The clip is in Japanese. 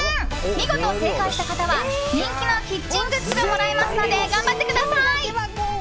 見事正解した方は人気のキッチングッズがもらえますので頑張ってください！